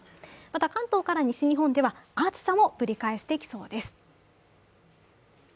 また関東から西日本では暑さもぶり返してきそうです。